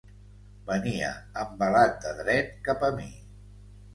Venia embalat de dret cap a mi.